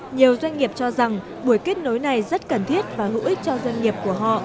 nhiều doanh nghiệp cho rằng buổi kết nối này rất cần thiết và hữu ích cho doanh nghiệp của họ